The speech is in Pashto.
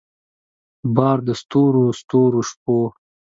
بار د ستورو ستورو شپو